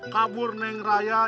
kabur raya yang paling parah